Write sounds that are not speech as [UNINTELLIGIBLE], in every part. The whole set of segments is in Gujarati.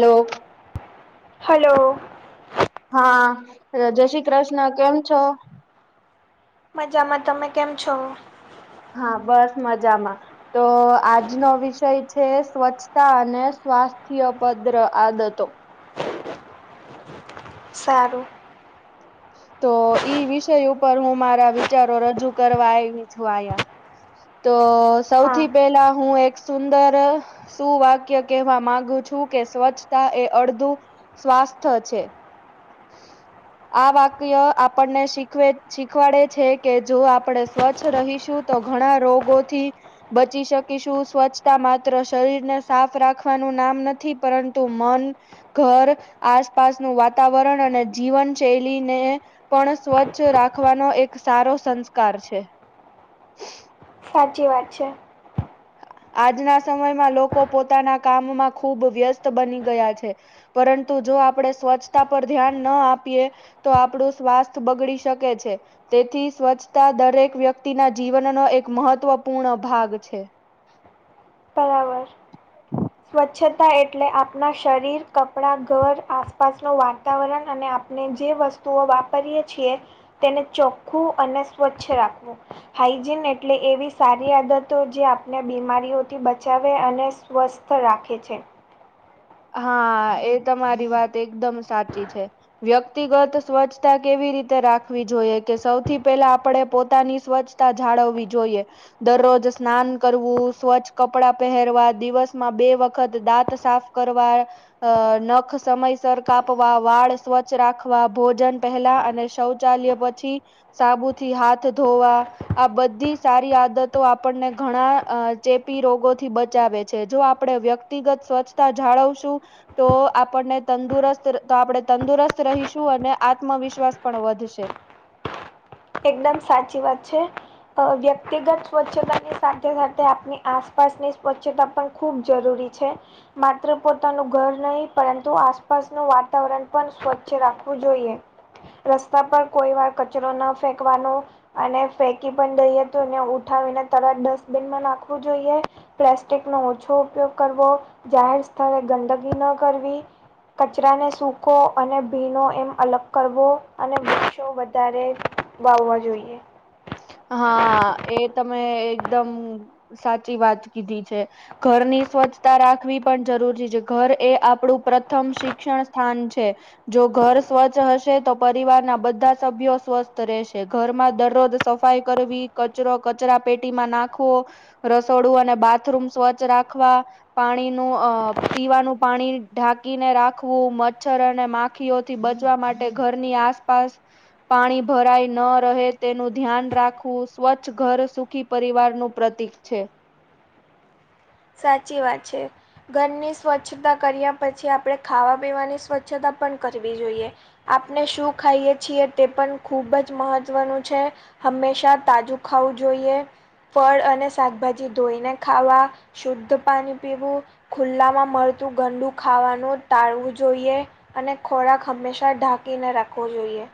હેલો. હલો. હા જય શ્રી કૃષ્ણ કેમ છો. મજામાં તમે કેમ છો. હા બસ મજામાં. તો આજનો વિષય છે સ્વચ્છતા અને સ્વાસ્થ્ય પદ્ર આદતો. સારું. તો ઈ વિષય ઉપર હું મારા વિચારો રજૂ કરવા આવી છું આયા. તો હા સૌથી પેલા હું એક. સુંદર સુું વાક્ય કહેવા માંગુ છું કે સ્વચ્છતા એ અડધું. સ્વાસ્થ છે. [INAUDIBLE] આ વાક્ય આપણને શીખવે શીખવાડે છે કે જો આપડે સ્વચ્છ રહીશું. તો ઘણા રોગો થી. બચી શકીશું સ્વચ્છતા માત્ર શરીરને સાફ રાખવાનું નામ નથી પરંતુ મન. ઘર આસપાસનુંું વાતાવરણ અને જીવન શૈલીને પણ સ્વચ્છ રાખવાનો એક સારો સંસ્કાર છે. સાચી વાત છે. આજના સમયમાં લોકો પોતાના કામમાં ખૂબ વ્યસ્ત બની ગયા છે. પરંતુ જો આપણેે સ્વચ્છતા પર ધ્યાન ના આપીએ તો આપણું સ્વાસ્થ બગડી શકે છે. તેથી સ્વચ્છતા દરેક વ્યક્તિના જીવનનો એક મહત્વપૂર્ણ ભાગ છે. બરાબર સ્વ ચ્છતા એટલે આપણા શરીર, કપડાં, ઘર, આસપાસનું વાતાવરણ અને આપણે જે વસ્તુ વસ્તુઓ વાપરીએ છીએ તેને ચોખ્ખું અને સ્વચ્છ રાખવું. હાઈજીન એટલે એવી સારી આદતો. જે આપને બીમારીઓ થી બચાવે અને સ્વસ્થ રાખે છે હા! એ તમારી વાત એકદમ સાચી છે. વ્યક્તિગત સ્વચ્છતા કેવી રીતે રાખવી જોઈએ કે, સૌથી પહેલા આપણેે પોતાની સ્વચ્છ તા જાળવવી જોઈએ. દરરોજ સ્નાન કરવું, સ્વચ્છ કપડા પહેરવા, દિવસમાં બે વખત દાંત સાફ કરવા. અ નખ સમયસર કાપવા, વાળ સ્વચ્છ રાખવા, ભોજન પહેલા અને સૌ ચાલય પછી સાબુથી હાથ ધોવા. આ બધી સારી આદતો આપણને ઘણા ચેપી રોગોથી બચાવે છે. જો આપણેે વ્યક્તિ વ્યક્તિગત સ્વચ્છતા જાળવશું તો આપણને તંદુરસ્ત, તો આપણે તંદુરસ્ત રહીશું અને આત્મવિશ્વાસ પણ વધશે. એકદમ સાચી વાત છે. અ વ્યક્તિગત સ્વચ્છતાની સાથે સાથે આપની આસપાસની સ્વચ્છતા પણ ખૂબ જરૂરી છે. માત્ર પોતાનું ઘર નહીં. પરંતુ, આસપાસનું વાતાવરણ પણ સ્વચ્છ રાખવું જોઈએ. રસ્તા પર કોઈ વાર કચરો ન ફેંકવાનો. અને ફેંકી પણ દઈએ તો એને ઉઠાવીને તરત ડસ્ટબિનમાં નાખવું જોઈએ. પ્લાસ્ટિક નો ઓછો ઉપયોગ કરવો, જાહેર સ્થળે ગંદગી ન કરવી. કચરાને સૂકો અને ભીનો એમ અલગ કરવો અને વૃક્ષો વધારે વાવવા જોઈએ. હા! એ તમે એકદમ સાચી વાત કીધી છે. ઘરની સ્વચ્છતા રાખવી પણ જરૂરી છે. ઘર એ આપણું પ્રથમ શિક્ષણ સ્થાન છે જો ઘર સ્વચ્છ હશે તો પરિવારના બધા સભ્યો સ્વસ્થ રહેશે. ઘરમાં દરરોજ સ સફાઈ કરવી. કચરો કચરા પેટીમાં નાખવો. રસોડું અને બાથરૂમ સ્વચ્છ રાખવા. પાણીનું અ પીવાનું પાણી ઢાંકીને રાખવું. મચ્છર અને માખ ખીઓથી બચવા માટે ઘરની આસપાસ પાણી ભરાય ન રહે તેનું ધ્યાન રાખવું. સ્વચ્છ ઘર સુખી પરિવાર નું પ્રતિક છે. સાચી વાત છે. ઘરની સ્વચ્છતા કર્યા પછી આપણે ખાવા પીવાની સ્વચ્છતા પણ કરવી જોઈએ. આપણે શું ખાઈએ છીએ તે પણ ખુબ જ મહત્વનું છે. હંમેશા તાજું ખાવું જોઈએ. ફળ અને શાકભાજી ધોઈને ખાવા. શુદ્ધ પાણી પીવું ખુલ્લામાં મળતું ગંડું ખાવાનું ટાળવું જોઈએ અને ખોરાક હંમેશા ઢાંકીને રાખવો જોઈએ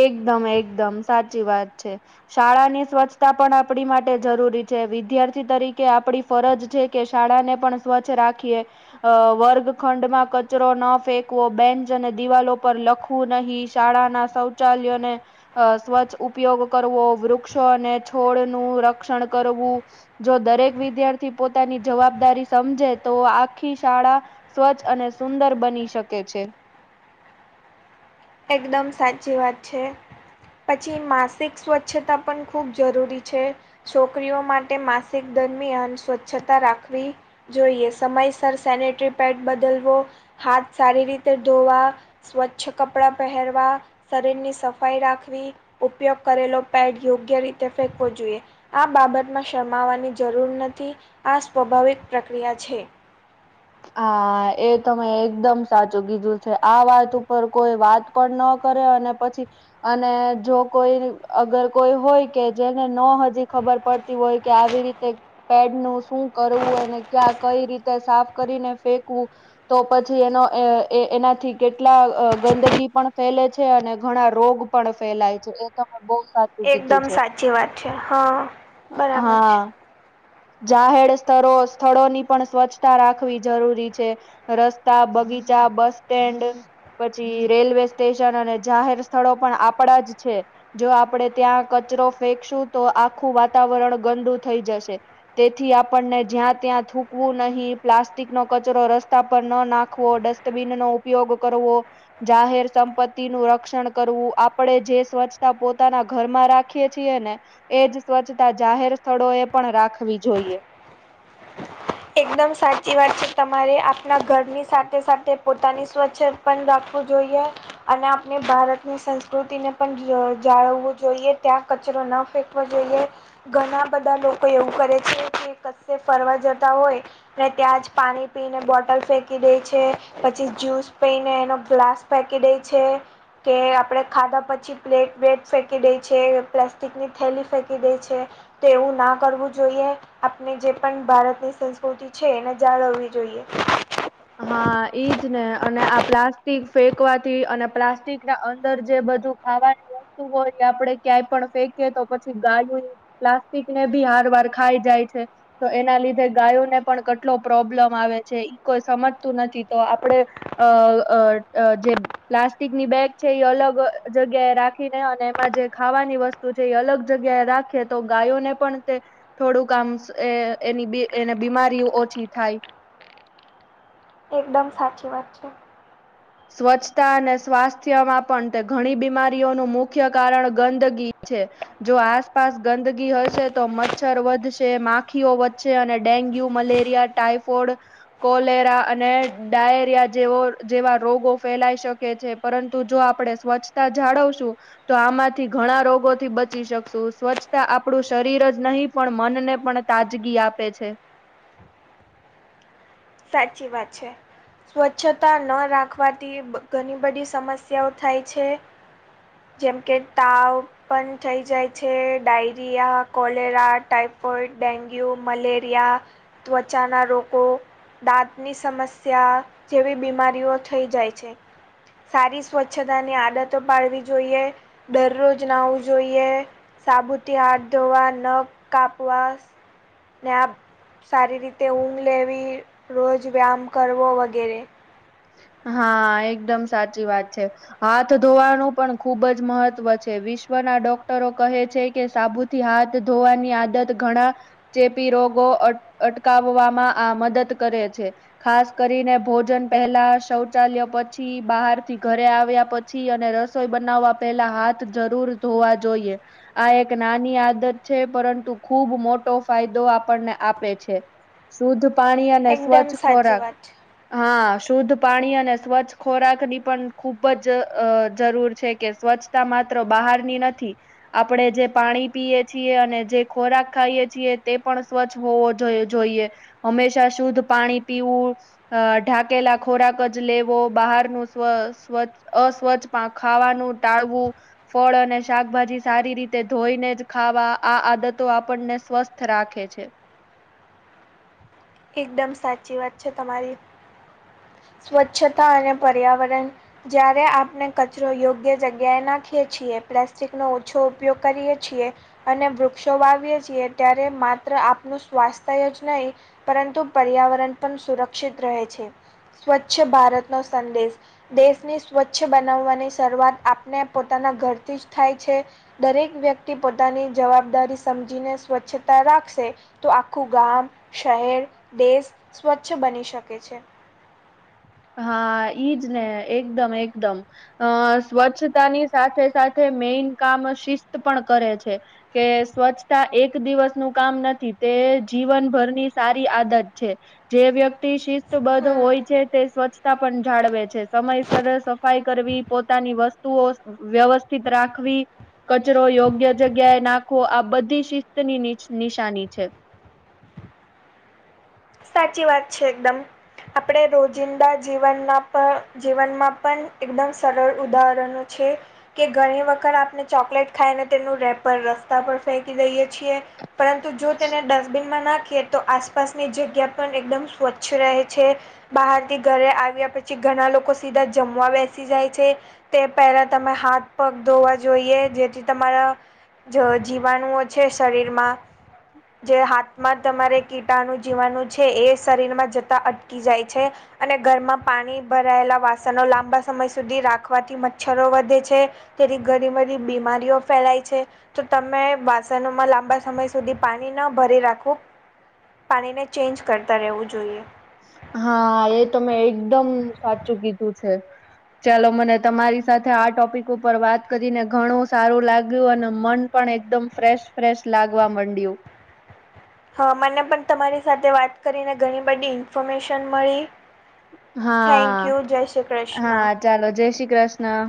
એકદમ એકદમ સાચી વાત છે. શાળા ની સ્વચ્છતા પણ આપણી માટે જરૂરી છે. વિદ્યાર્થી તરીકે આપણી ફરજ છે કે, શાળા ને પણ સ્વચ્છ રાખીએ. અ વર્ગખંડમાં કચરો ન ફેંકવો. બેન્ચ અને દિવાલો પર લખવું નહીં. શાળા ના શૌચાલયો ને અ સ્વચ્છ ઉપયોગ કરવો. વૃક્ષો અને છોડ નું રક્ષણ કરવું. જો દરેક વિદ્યાર્થી પોતાની જવાબદારી સમજે તો આખી શાળા સ્વચ્છ અને સુંદર બની શકે છે. એકદમ સાચી વાત છે. પછી માસિક સ્વચ્છતા પણ ખૂબ જરૂરી છે. છોકરીઓ માટે માસિક દરમિયાન સ્વચ્છતા રાખવી જોઈએ સમયસર સેનેટરી પેડ બદલવો હાથ સારી રીતે ધોવા. સ્વચ્છ કપડાં પહેરવા. શરીરની સફાઈ રાખવી ઉપયોગ કરેલો પેડ યોગ્ય રીતે ફેકવો જોઈએ. આ બાબતમાં શરમાવાની જરૂર નથી આ સ્વાભાવિક પ્રક્રિયા છે. હા એ તમે એકદમ સાચું કીધું છે આ વાત ઉપર કોઈ વાત પણ ન કરે અને પછી. અને જો કોઈ અગર કોઈ હોય કે જેને ન હજી ખબર પડતી હોય. કે આવી રીતે પેડ નું શું કરવુંને ક્યાં કઈ રીતે સાફ કરીને ફેંકવું. તો પછી એનો એ એનાથી કેટલા ગંદગી પણ ફેલે છે અને ઘણા રોગ. પણ ફેલાય છે એ તમે બહુ. સાચું કીધું એકદમ છે સાચી વાત છે હા [UNINTELLIGIBLE] બરાબર છે હા જાહેર સ્થ સ્થળોની પણ સ્વચ્છતા રાખ રાખવી જરૂરી છે રસ્તા બગીચા બસ સ્ટેન્ડ પછી રેલવે સ્ટેશન અને જાહેર સ્થળો પણ આપડા જ છે. જો આપડે ત્યાં કચરો ફેંકશું તો આખું વાતાવરણ ગંદુ થઈ જશે. તેથી આપણને જ્યાં ત્યાં થૂકવું નહી. પ્લાસ્ટિક નો કચરો રસ્તા પર ન નાખવો ડસ્ટબીન નો ઉપયોગ કરવો. જાહેર સંપત્તિ નું રક્ષણ કરવું આપણેે જે સ્વચ્છતા પોતાના ઘરમાં રાખે. રાખીએ છીએ ને એજ સ્વચ્છતા જાહેર સ્થળો એ પણ રાખવી જોઈએ. એકદમ સાચી વાત છે તમારે આપણા ઘરની સાથે સાથે પોતાની સ્વચ્છ પણ રાખવું જોઈએ. અને આપણે ભારતની સંસ્કૃતિને પણ જાળવવું જોઈએ ત્યાં કચરો ન ફેંક જોઈએ ઘણા બધા લોકો એવું કરે છે કે ક ફરવા જતા હોય. ને ત્યાં જ પાણી પી ને બોટલ ફેંકી દે છે. પછી જ્યુસ પૈને એનો ગ્લાસ પેકી દે છે. કે આપણે ખાધા પછી પ્લેટ વેટ ફેંકી દઈ છે પ્લાસ્ટિકની થેલી ફેંકી દે છે. તો એવું ના કરવું જોઈએ આપણે જે પણ ભારતની સંસ્કૃતિ છે એને જાળવવી જોઈએ. હા ઈજ ને અને આ પ્લાસ્ટિક ફેંકવાથી અને પ્લાસ્ટિક ના અંદર જે બધું. ખાવાની વસ્તુ હોય આપડે ક્યાંય પણ ફેંકીએ તો પછી ગાય. પ્લાસ્ટિકને ભી હાર વાર ખાઈ જાય છે. તો એના લીધે ગાયોને પણ કેટલો પ્રોબ્લમ આવે છે કોઈ સમજતું નથી તો આપડે. અ અ અ જે. પ્લાસ્ટિકની બેગ છે એ અલગ જગ્યા એ રાખીને અને એમાં જે ખાવાની વસ્તુ તો જે અલગ જગ્યાએ રાખે તો ગાયોને પણ તે થોડુંકમ એ એની એ બીમારીઓ ઓછી થાય. એકદમ સાચી વાત છે. સ્વચ્છતા અને સ્વાસ્થ્યમાં પણ તે ઘણી બીમારીઓનું મુખ્ય કારણ ગંદગી છે. જો આસપાસ ગંદગી હશે તો મચ્છર વધશે માખીઓ વધશે અને ડેન્ગ્યુ મલેરિયા ટાઈફોઇડ કોલેરા અને ડાયરિયા જેવો જેવા. રોગો ફેલાય શકે છે પરંતુ જો આપણે સ્વચ્છતા જાળવશું તો આમાંથી ઘણા રોગોથી બચી શકશું સ્વચ્છતા આપણું શરીર જ નહીં પણ મનને પણ તાજગી આપે છે સાચી વાત છે. સ્વચ્છતા ન રાખવાથી ઘણી બધી સમસ્યાઓ થાય છે. જેમ કે તાવ. પણ થઈ જાય છે diarrhoea cholera typhoid dengue malaria ત્વચા ના રોકકો. દાંતની સમસ્યા જેવી બીમારીઓ થઈ જાય છે સારી સ્વચ્છતાની આદતો પાડવી જોઈએ દરરોજ ના આવું જોઈએ સાબુથી હાથ ધોવા નખ કાપવા ને આ સારી રીતે ઊંઘ લેવી રોજ વ્યામ કરવો વગેરે હા એકદમ સાચી વાત છે હાથ ધોવાનું પણ ખુબ જ મહત્વ છે વિશ્વના ડોક્ટરો કહે છે કે સાબુ થી હાથ ધોવાની આદત ઘણા ચેપી રોગો અટકાવવામાં આ મદદ કરે છે ખાસ કરીને ભોજન પેલા શૌચાલય પછી બહાર થી ઘરે આવ્યા પછી અને રસોઈ બનાવવા પેલા હાથ જરૂર ધોવા જોઈએ આ એક નાની આદત છે પરંતુ ખુબ મોટો ફાયદો આપણને આપે છે શુદ્ધ પાણી અને એકદમ સ્વચ્છ સાચી ખોરાક વાત હા શુદ્ધ પાણી અને સ્વચ્છ ખોરાકની પણ ખૂબ જ જરૂર છે કે સ્વચ્છ માત્ર બહારની નથી આપણે જે પાણી પીએ છીએ અને જે ખોરાક ખાઈએ છીએ તે પણ સ્વચ્છ હોવ જોઈએ હંમેશા શુદ્ધ પાણી પીવું ઢાકેલા ખોરાક જ લેવો બહારનું સ્વ સ્વચ્છ અસ્વચ્છ ખાવાનું ટાળવું ફળ અને શાકભાજી સારી રીતે ધોઈને જ ખાવા આ આદતો આપણને સ્વસ્થ રાખે છે એકદમ સાચી વાત છે તમારી સ્વચ્છતા અને પર્યાવરણ જયારે આપણે કચરો યોગ્ય જગ્યાએ નાખીએ છીએ પ્લાસ્ટિકનોો ઓછો ઉપયોગ કરીએ છીએ અને વૃક્ષો વાવીએ છીએ ત્યારે માત્ર આપનું સ્વાસ્થ્ય જ નહીિ પરંતુ પર્યાવરણ પણ સુરક્ષિત રહે છે સ્વચ્છ ભારતનોો સંદેશ દેશને સ્વચ્છ બનાવવાની શરૂઆત આપને પોતાના ઘરથી જ થાય છે દરેક વ્યક્તિ પોતાની જવાબદારી સમજીને સ્વચ્છતા રાખશે તો આખું ગામ શહેર દેશ સ્વચ્છ બની શકે છે હા ઈજ ને એકદમ એકદમ અ સ્વચ્છતા ની સાથે સાથે મેઈન કામ શિસ્ત પણ કરે છે કે સ્વચ્છતા એક દિવસનુંું કામ નથી તે જીવનભરની સારી આદત છે જે વ્યક્તિ શિસ્તબદ્ધ હમ હોય છે તે સ્વચ્છતા પણ જાળવે છે સમયસર સફાઈ કરવી પોતાની વસ્તુઓ વ્યવસ્થિત રાખવી કચરો યોગ્ય જગ્યાએ નાખવો આ બધી શિસ્ત ની નિશાની છે સાચી વાત છે એકદમ આપણે રોજિંદા જીવનમાં પણ જીવનમાં પણ એકદમ સરળ ઉદાહરણો છે કે ઘણી વખત આપને ચોકલેટ ખાઈ ને તેનું રેપરખ ફેકી દઈએ છીએ પરંતુ જો તેને ડસ્ટબિનમાં નાખીએ તો આસપાસની જગ્યા પણ એકદમ સ્વચ્છ રહે છે બહારથી ઘરે આવ્યા પછી ઘણા લોકો સીધા જમવા બેસી જાય છે તે પહેલા તમે હાથ પગ ધોવા જોઈએ જેથી તમારા જ જીવાણુઓ છે શરીરમાં. જે હાથમાં તમારે કીટાણુ જીવાણું. છે એ શરીરમાં જતા અટકી જાય છે. અને ઘરમાં પાણી ભરાયેલા વાસણ લાંબા સમય સુધી રાખવાથી મચ્છરો વધે છે તેથી ઘણી બધી બીમારીઓ ફેલાય છે તો તમે વાસણોમાં લાંબા સમય સુધી પાણી ન ભરી રાખવું પાણીને ચેન્જ કરતા રહેવું જોઈએ હા એ તો મેં એકદમ સાચું કીધું છે ચાલો, મને તમારી સાથે આ ટોપિક ઉપર વાત કરીને ઘણું સારું લાગ્યું અને મન પણ એકદમ ફ્રેશ ફ્રેશ લાગવા માંડ્યું. હા, મને પણ તમારી સાથે વાત કરીને ઘણી બધી ઇન્ફોર્મેશન મળી. થેન્ક હા. યુ, જય શ્રી કૃષ્ણ. હા ચાલો, જય શ્રી કૃષ્ણ.